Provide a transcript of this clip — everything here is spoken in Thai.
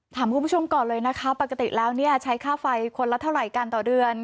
ถามคุณผู้ชมก่อนเลยนะคะปกติแล้วเนี่ยใช้ค่าไฟคนละเท่าไหร่กันต่อเดือน